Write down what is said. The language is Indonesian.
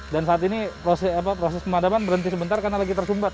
dan saat ini proses pemadaman berhenti sebentar karena lagi tersumbat